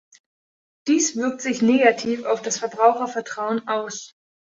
Dies wirkt sich negativ auf das Verbrauchervertrauen aus.